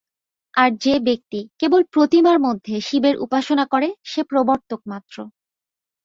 আর যে-ব্যক্তি কেবল প্রতিমার মধ্যে শিবের উপাসনা করে, সে প্রবর্তক মাত্র।